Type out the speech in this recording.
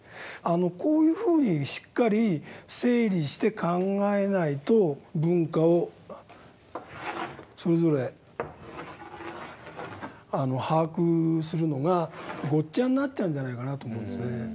こういうふうにしっかり整理して考えないと文化をそれぞれ把握するのがごっちゃになっちゃうんじゃないかなと思うんですね。